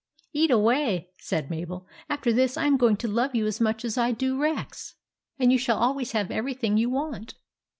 " Eat away," said Mabel. " After this I am going to love you as much as I do Rex ; THE ROBBERS 67 and you shall always have everything you want."